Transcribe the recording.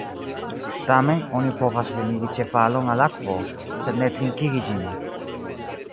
Tamen, oni povas venigi ĉevalon al akvo, sed ne trinkigi ĝin.